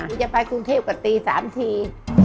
นี่จะไปกรุงเทพฯกระตีสามที